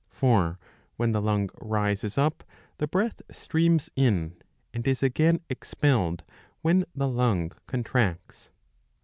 For when the lung rises up the breath streams in, and is again expelled when the lung contracts.